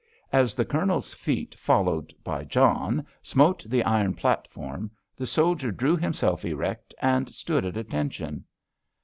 As the Colonel's feet, followed by John, smote the iron platform, the soldier drew himself erect and stood at attention.